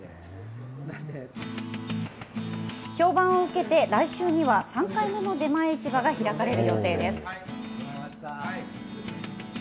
評判を受けて来週には、３回目の出前市場が開かれる予定です。